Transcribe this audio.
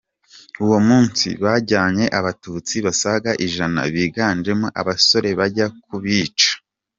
Uwo munsi bajyanye Abatutsi basaga ijana biganjemo abasore bajya kubica.